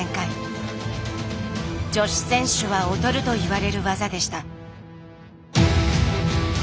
女子選手は劣ると言われる技でした。